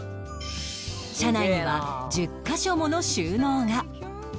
車内には１０カ所もの収納が